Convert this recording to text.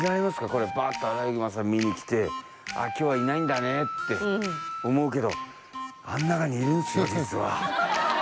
これバーッとアライグマさん見に来て今日はいないんだねって思うけどあの中にいるんですよ実は。